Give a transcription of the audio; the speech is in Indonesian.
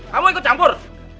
kamu ikut campur